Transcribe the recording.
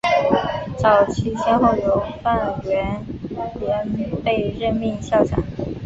早期先后有范源濂被任命校长。